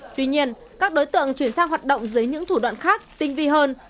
tuy nhiên các đối tượng chuyển sang hoạt động dưới những thủ đoạn khác tinh vi hơn